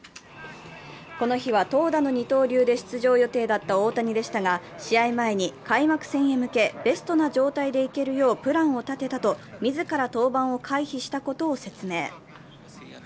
この日は投打の二刀流で出場予定だった大谷でしたが試合前に、開幕戦へ向けベストな状態でいけるようプランを立てたと、自ら登板を回避したことを説明。